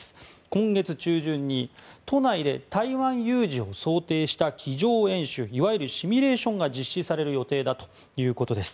今月中旬に都内で台湾有事を想定した机上演習いわゆるシミュレーションが実施される予定だということです。